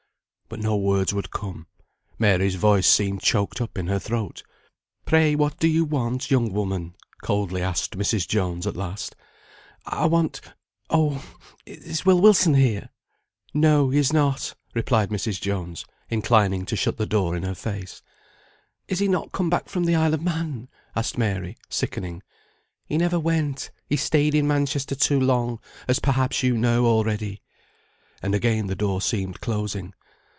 But no words would come. Mary's voice seemed choked up in her throat. "Pray what do you want, young woman?" coldly asked Mrs. Jones at last. "I want Oh! is Will Wilson here?" "No, he is not," replied Mrs. Jones, inclining to shut the door in her face. "Is he not come back from the Isle of Man?" asked Mary, sickening. "He never went; he stayed in Manchester too long; as perhaps you know, already." And again the door seemed closing.